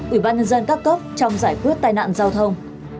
ủy ban nhân dân các cấp trong giải quyết tai nạn giao thông